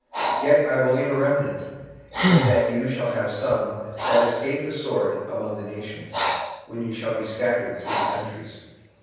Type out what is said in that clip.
26:006:008 Yet will I leave a remnant, that ye may have some that shall escape the sword among the nations, when ye shall be scattered through the countries.